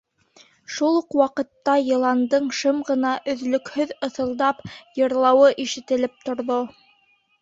Шул уҡ ваҡытта Йыландың шым ғына, өҙлөкһөҙ ыҫылдап «йырлауы» ишетелеп торҙо.